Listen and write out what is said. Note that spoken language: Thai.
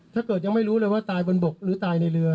ถ้าเกิดยังไม่รู้เลยว่าตายบนบกหรือตายในเรือ